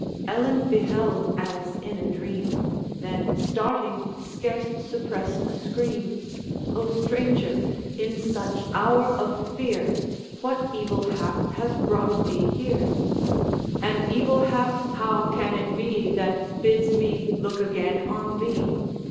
Ellen beheld as in a dream, Then, starting, scarce suppressed a scream: 'O stranger! in such hour of fear What evil hap has brought thee here?' 'An evil hap how can it be That bids me look again on thee?